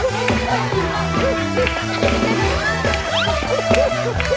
เป็นจ้ายไงเป็นจ้ายต่อเลย